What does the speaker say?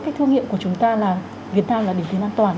cái thương hiệu của chúng ta là việt nam là định tiến an toàn